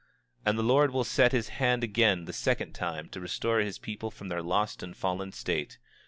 25:17 And the Lord will set his hand again the second time to restore his people from their lost and fallen state.